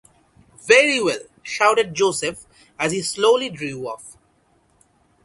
‘Very well!’ shouted Joseph, as he slowly drew off.